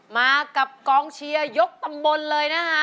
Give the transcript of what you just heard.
มากับกองเชียร์ยกตำบลเลยนะคะ